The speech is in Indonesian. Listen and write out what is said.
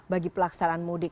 bagi pelaksanaan mudik